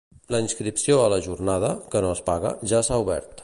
La inscripció a la Jornada, que no es paga, ja s'ha obert.